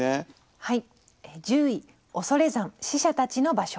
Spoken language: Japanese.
はい。